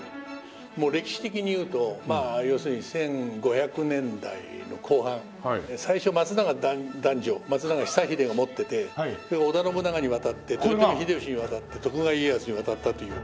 もう歴史的にいうと要するに１５００年代の後半最初松永弾正松永久秀が持っててで織田信長に渡って豊臣秀吉に渡って徳川家康に渡ったという。